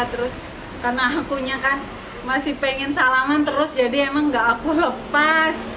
terus karena akunya kan masih pengen salaman terus jadi emang gak aku lepas